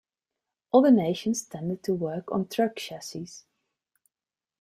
Other nations tended to work on truck chassis.